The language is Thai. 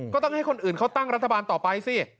ก็ต้องให้คนอื่นเขาตั้งรัฐบาลต่อไปสิ